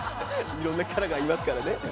いろんなキャラがいますからね。